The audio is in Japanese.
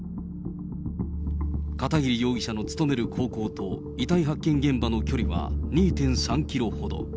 片桐容疑者の勤める高校と、遺体発見現場の距離は２．３キロほど。